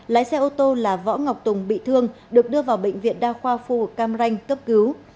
lái xe ô tô là võ ngọc tùng bị thương được đưa vào bệnh viện đa khoa phu cam ranh cấp cứu